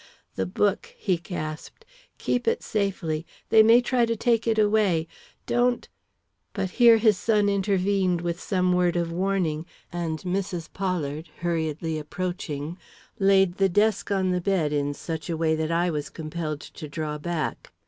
"The book," he gasped; "keep it safely they may try to take it away don't " But here his son intervened with some word of warning; and Mrs. Pollard, hurriedly approaching, laid the desk on the bed in such a way that I was compelled to draw back.